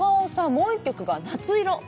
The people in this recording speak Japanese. もう１曲が「夏色」